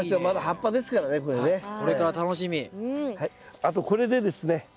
あとこれでですね